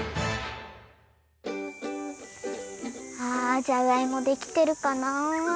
あじゃがいもできてるかな。